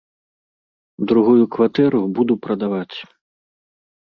Другую кватэру буду прадаваць.